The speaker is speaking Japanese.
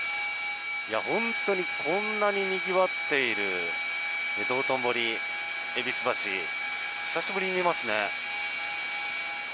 本当にこんなににぎわっている道頓堀戎橋、久しぶりに見ますね。